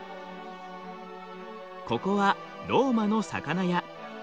ここはローマの魚屋。